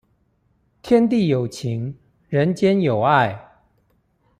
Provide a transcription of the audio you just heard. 天地有情，人間有愛